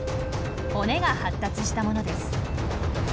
骨が発達したものです。